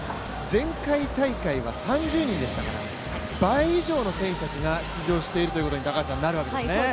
前回大会は３０人でしたから倍以上の選手たちが出場しているということになるわけですね。